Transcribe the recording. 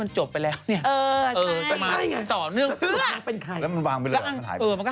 แต่จะเข้าไปพก